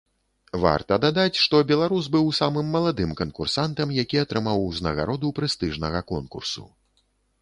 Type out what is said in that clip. Варта дадаць, што беларус быў самым маладым канкурсантам, які атрымаў узнагароду прэстыжнага конкурсу.